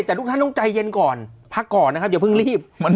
ใช่แต่ลูกท่านต้องใจเย็นก่อนพักก่อนนะครับเดี๋ยวเพิ่งรีบ